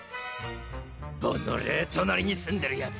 おのれ隣に住んでるヤツ